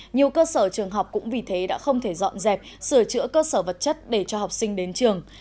nhiều cơ sở trường học cũng vì thế đã không thể dọn dẹp sửa chữa cơ sở vật chất để cho học sinh đến trường